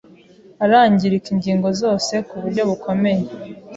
arangirika ingingo zose ku buryo bukomeye